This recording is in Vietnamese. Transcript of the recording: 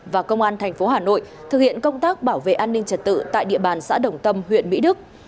và công an thành phố hà nội thực hiện công tác bảo vệ an ninh trật tự tại địa bàn xã đồng tâm huyện mỹ đức